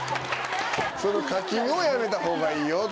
その課金をやめた方がいいよと。